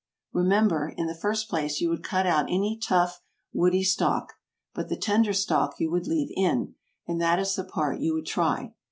Remember, in the first place you would cut out any tough, woody stalk, but the tender stalk you would leave in, and that is the part you would try.